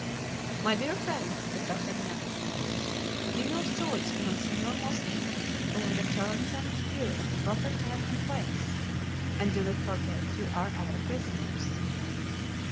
"My dear friends," said D'Artagnan, "give your swords to Monsieur Mouston, who will return them to you at the proper time and place, and do not forget you are our prisoners."